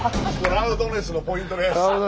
ラウドネスのポイント。